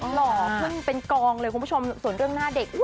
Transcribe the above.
หล่อขึ้นเป็นกองเลยคุณผู้ชมส่วนเรื่องหน้าเด็ก